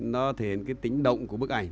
nó thể hiện cái tính động của bức ảnh